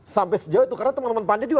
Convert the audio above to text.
sampai sejauh itu karena teman teman panja juga